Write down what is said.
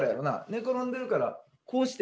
寝転んでるからこうしてんねん。